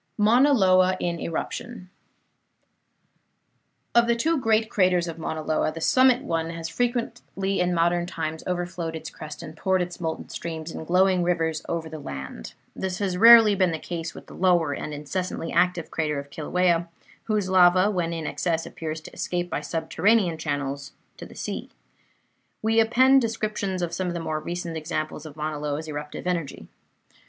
MAUNA LOA IN ERUPTION Of the two great craters of Mauna Loa, the summit one has frequently in modern times overflowed its crest and poured its molten streams in glowing rivers over the land. This has rarely been the case with the lower and incessantly active crater of Kilauea, whose lava, when in excess, appears to escape by subterranean channels to the sea. We append descriptions of some of the more recent examples of Mauna Loa's eruptive energy.